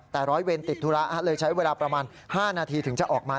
แต่ร้อยเวรติดธุระเลยใช้เวลาประมาณ๕นาทีถึงจะออกมา